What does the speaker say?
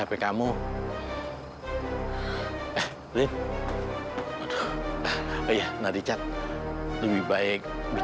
aku harus perbaiki